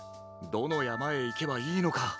どのやまへいけばいいのか。